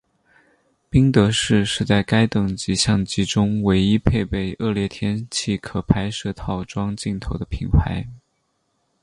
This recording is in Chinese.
宾得士是在该等级相机中唯一配备恶劣天候可拍摄套装镜头的品牌。